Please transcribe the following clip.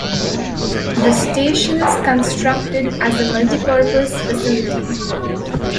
The station is constructed as a "Multi-Purpose Facility".